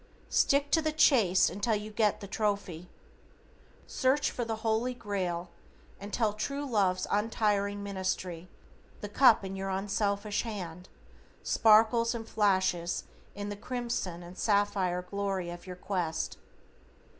Stick to the chase until you get the trophy. Search for the Holy Grail until true love's untiring ministry the cup in your unselfish hand sparkles and flashes in the crimson and sapphire glory of your quest.